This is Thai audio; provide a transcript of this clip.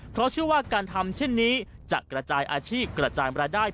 เพราะเชื่อว่าการทำเช่นนี้จะกระจายอาชีพกระจายรายได้